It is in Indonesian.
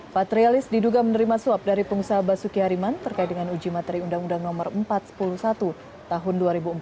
patrialis diduga menerima suap dari pengusaha basuki hariman terkait dengan uji materi undang undang no empat ratus sepuluh satu tahun dua ribu empat